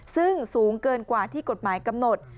ซึ่งสูงเกินกว่าที่กฎหมายกำหนด